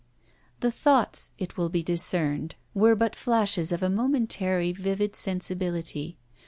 The thoughts, it will be discerned, were but flashes of a momentary vivid sensibility.